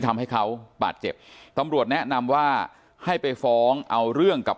ทำให้เขาบาดเจ็บตำรวจแนะนำว่าให้ไปฟ้องเอาเรื่องกับ